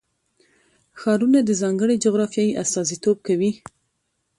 ښارونه د ځانګړې جغرافیې استازیتوب کوي.